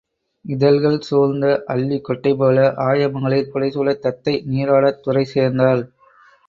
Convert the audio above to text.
இதழ்கள் சூழ்ந்த அல்லிக் கொட்டைபோல ஆயமகளிர் புடைசூழத் தத்தை நீராடத் துறைசேர்ந்தாள்.